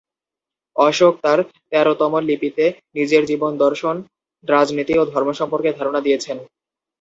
অশোক তাঁর তেরোতম লিপিতে নিজের জীবন দর্শন, রাজনীতি ও ধর্ম সম্পর্কে ধারণা দিয়েছেন।